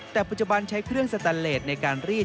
แต่ปัจจุบันใช้เครื่องสแตนเลสในการรีด